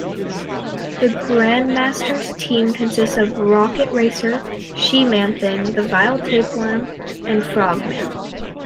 The Grandmaster's team consists of Rocket Racer, She-Man-Thing, The Vile Tapeworm, and Frog-Man.